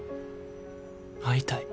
会いたい。